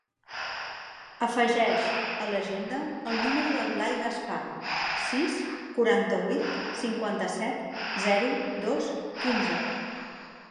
Afegeix a l'agenda el número del Blai Gaspar: sis, quaranta-vuit, cinquanta-set, zero, dos, quinze.